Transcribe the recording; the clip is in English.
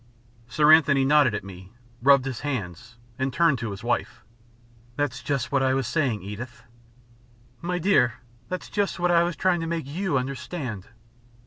Sir Anthony nodded at me, rubbed his hands, and turned to his wife. "That's just what I was saying, Edith." "My dear, that is just what I was trying to make you understand."